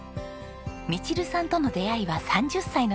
ミチルさんとの出会いは３０歳の時。